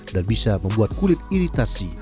dan bisa membuat kulit iritasi